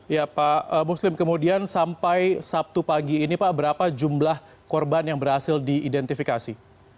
ya pak muslim kemudian sampai sabtu pagi ini pak berapa jumlah korban yang berhasil diidentifikasi